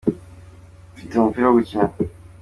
Mfite umupira wo gukina.